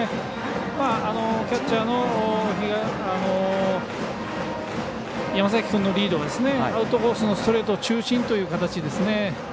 キャッチャーの山崎君のリードがアウトコースのストレート中心という形。